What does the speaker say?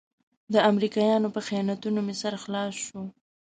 د امریکایانو په خیانتونو مې سر خلاص شو.